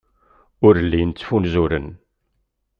Ur llin ttfunzuren.